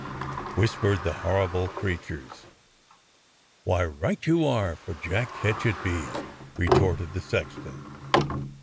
whispered the horrible creatures. "Why, right you are, for Jack Ketch it be," retorted the sexton.